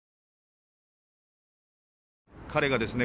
彼がですね